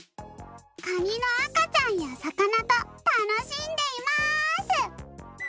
カニのあかちゃんやさかなとたのしんでいます！